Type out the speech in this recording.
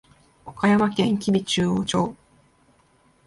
岡山県吉備中央町